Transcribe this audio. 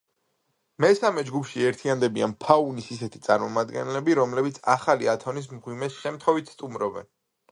მესამე ჯგუფში ერთიანდებიან ფაუნის ისეთი წარმომადგენლები, რომლებიც ახალი ათონის მღვიმეს შემთხვევით სტუმრობენ.